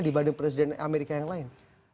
dibanding presiden amerika yang lain